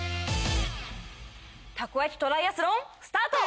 たこ焼きトライアスロンスタート！